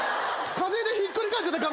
風でひっくり返っちゃった亀。